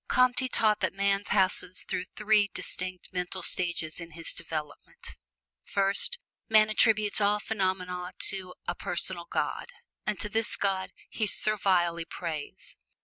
Comte taught that man passes through three distinct mental stages in his development: First, man attributes all phenomena to a "Personal God," and to this God he servilely prays.